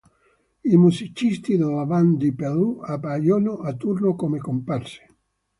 I musicisti della band di Pelù appaiono a turno come comparse.